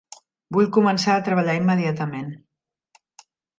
Vull començar a treballar immediatament.